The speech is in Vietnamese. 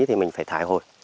thì mình phải thái hồi